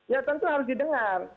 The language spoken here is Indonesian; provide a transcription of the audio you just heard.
ya tentu harus didengar